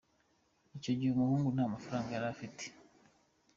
Icyo gihe, umuhungu nta mafaranga yari afite.